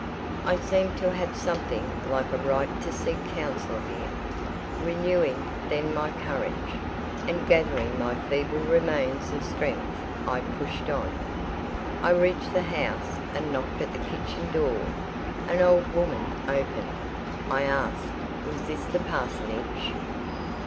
I seemed to have something like a right to seek counsel here. Renewing then my courage, and gathering my feeble remains of strength, I pushed on. I reached the house, and knocked at the kitchen door. An old woman opened: I asked was this the parsonage?